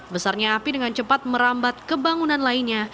besarnya api dengan cepat merambat kebangunan lainnya